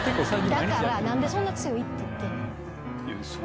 だから、なんでそんな強いって言ってんねん。